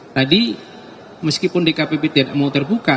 tadi meskipun dkpp tidak mau terbuka